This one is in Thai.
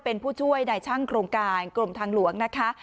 เป็นผู้ช่วยในช่างโครงการกรมทางหลวงนะคะ